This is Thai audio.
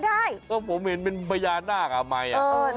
ได้ได้